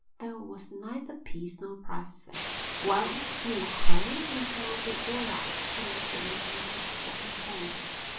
There was neither peace nor privacy. "Well, there's no hurry. We shall be all right here till we find just what we want."